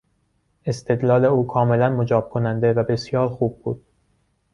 استدلال او کاملا مجاب کننده و بسیار خوب بود.